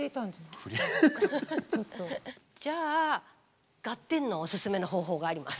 じゃあ「ガッテン！」のおすすめの方法があります。